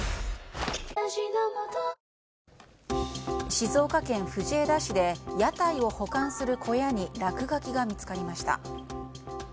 静岡県藤枝市で屋台を保管する小屋に落書きが見つかりました。